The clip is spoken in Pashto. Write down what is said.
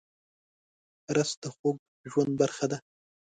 رس د خوږ ژوند برخه ده